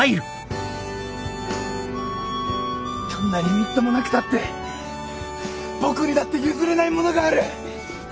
どんなにみっともなくたって僕にだって譲れないものがある。